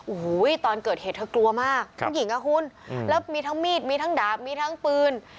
โอ้โหตอนเกิดเหตุเธอกลัวมากผู้หญิงอ่ะคุณแล้วมีทั้งมีดมีทั้งดาบมีทั้งปืน